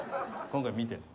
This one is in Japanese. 今回見てる。